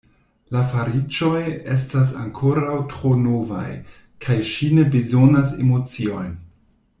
La fariĝoj estas ankoraŭ tro novaj; kaj ŝi ne bezonas emociojn.